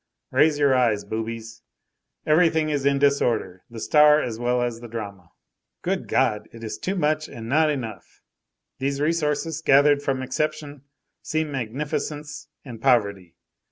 Raise your eyes, boobies. Everything is in disorder, the star as well as the drama. Good God, it is too much and not enough. These resources, gathered from exception, seem magnificence and poverty.